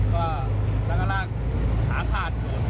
เครื่องแขกไม่มีไฟแล้ว